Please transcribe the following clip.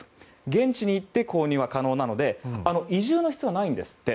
現地に行って購入は可能なので移住の必要はないんですって。